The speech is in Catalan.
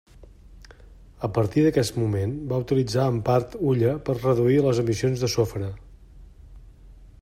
A partir d'aquest moment va utilitzar en part hulla per reduir les emissions de sofre.